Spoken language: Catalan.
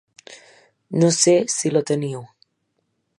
No sé si la teniu.